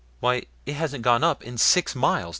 Why it hasn't gone up in six miles.